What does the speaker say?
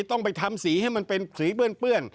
ต้องไปทำสีให้มันเป็นสีเปื้อน